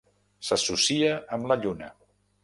S'associa amb la Lluna.